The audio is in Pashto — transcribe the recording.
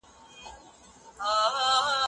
آیا قمرۍ به وکولی شي چې خپله ځالۍ له باده وساتي؟